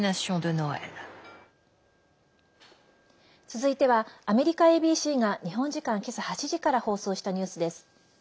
続いてはアメリカＡＢＣが日本時間今朝８時から放送したニュースです。